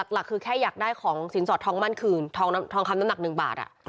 หลักคือแค่อยากได้ของสินสอดทองมั่นคืนทองคำน้ำหนัก๑บาท